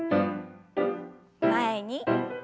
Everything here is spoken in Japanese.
前に。